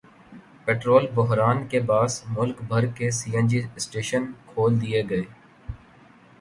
petrol بحران کے باعث ملک بھر کے سی این جی اسٹیشن کھول دیئے گئے